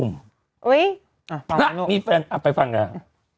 อุ๊ยอ้ามีแฟนไปฟังก่อน